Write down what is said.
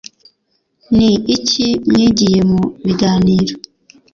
ni iki mwigiye mu biganiro